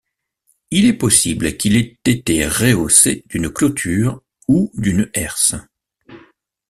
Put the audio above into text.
Il est possible qu'il ait été rehaussé d'une clôture ou d'une herse.